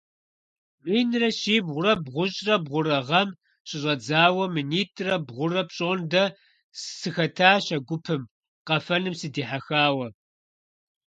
Минрэ щибгъурэ бгъущӀрэ бгъурэ гъэм щыщӀэдзауэ минитӀрэ бгъурэ пщӀондэ сыхэтащ а гупым, къэфэным сыдихьэхауэ.